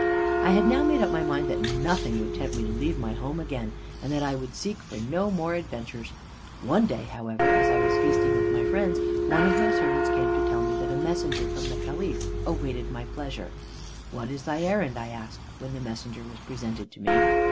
"I had now made up my mind that nothing would tempt me to leave my home again, and that I would seek for no more adventures. "One day, however, as I was feasting with my friends, one of my servants came to tell me that a messenger from the Caliph awaited my pleasure. "'What is thy errand?' I asked when the messenger was presented to me.